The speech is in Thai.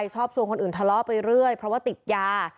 ชอบชวนคนอื่นทะเลาะไปเรื่อยเพราะว่าติดยา